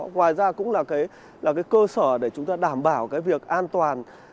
ngoài ra cũng là cái cơ sở để chúng ta đảm bảo cái việc an toàn